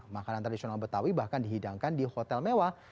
makanan tradisional betawi bahkan dihidangkan di hotel mewah